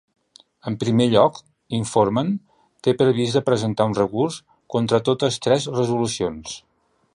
En primer lloc, informen, té previst de presentar un recurs contra totes tres resolucions.